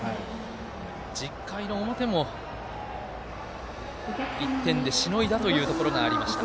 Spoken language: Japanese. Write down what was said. １０回の表も１点でしのいだというところがありました。